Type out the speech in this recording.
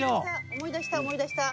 思い出した思い出した！